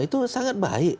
itu sangat baik